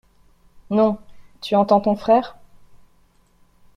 Non, tu entends ton frère ?